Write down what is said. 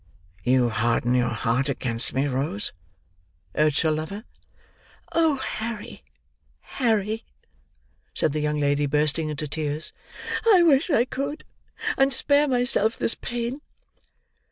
"You harden your heart against me, Rose," urged her lover. "Oh Harry, Harry," said the young lady, bursting into tears; "I wish I could, and spare myself this pain."